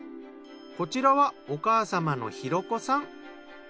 こちらはお母様の博子さん。